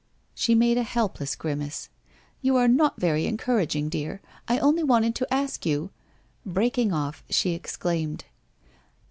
Bhe made a helpless grimace. 'You are not very en couraging, dear! I only wanted to ask you !' Breaking off, she exclaimed.